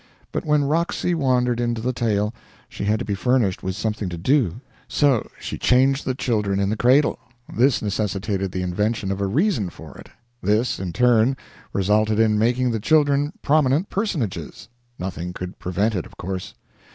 But when Roxy wandered into the tale she had to be furnished with something to do; so she changed the children in the cradle; this necessitated the invention of a reason for it; this, in turn, resulted in making the children prominent personages nothing could prevent it of course.